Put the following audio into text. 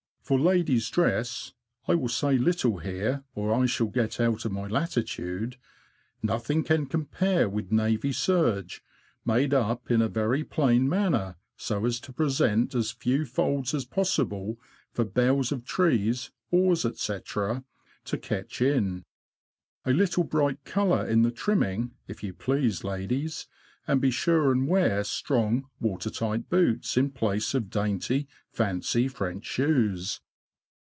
For ladies' dress (I will say little here, or I shall get out of my latitude), nothing can compare with navy serge made up in a very plain manner, so as to present as few folds as possible for boughs of trees, oars, &c., to catch in. A little bright colour in the trim ming, if you please, ladies ! and be sure and wear strong, watertight boots in place of dainty, fancy, French shoes.